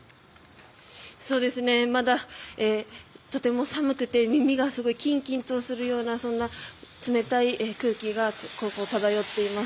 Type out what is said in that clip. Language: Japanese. まだとても寒くて耳がキンキンとするようなそんな冷たい空気が漂っています。